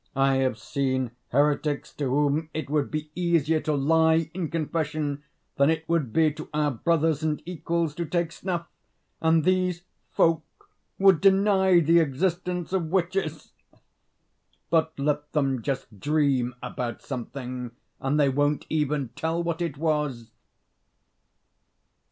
I have seen heretics to whom it would be easier to lie in confession than it would be to our brothers and equals to take snuff, and these folk would deny the existence of witches! But let them just dream about something, and they won't even tell what it was!